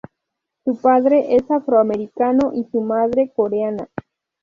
Su padre es afroamericano y su madre coreana.